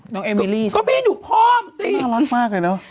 น้องเอมิลี่น่ารักมากเลยเนาะ